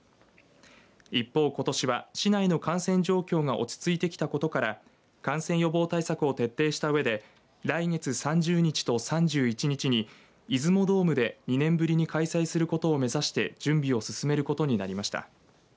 一方、ことしは市内の感染状況が落ち着いてきたことから感染予防対策を徹底したうえで来月３０日と３１日に出雲ドームで２年ぶりに開催することを目指して準備を進めることになりました。